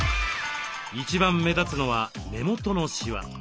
一番目立つのは目元のしわ。